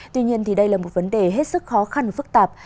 tuy nhiên đây là một vấn đề hết sức khó khăn và phức tạp